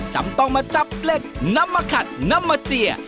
จำต้องมาจับเหล็กนำมาขัดนำมาเจีย